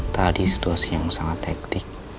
tadi situasi yang sangat tektik